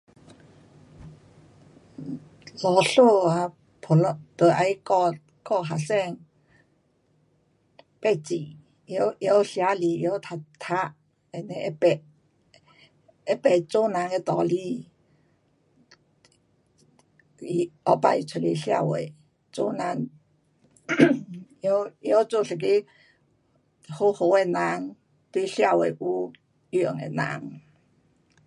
老师就要教学生，识字，会晓写字，会晓读，and then 会知，会识做人的道理，以后出来社会做人，um 会晓做一个好好的人，对社会有用的人。